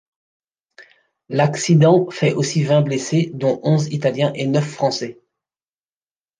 L'accident fait aussi vingt blessés dont onze italiens et neuf français.